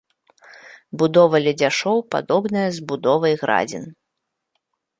Будова ледзяшоў падобная з будовай градзін.